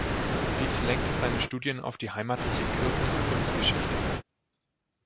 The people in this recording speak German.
Dies lenkte seine Studien auf die heimatliche Kirchen- und Kunstgeschichte.